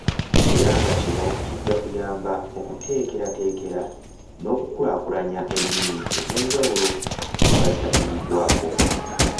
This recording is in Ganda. Era nga kino kijja kuyamba mu kuteekerateekera n'okukulaakulanya ennimi ez'enjawulo eziba zitafiiriddwako.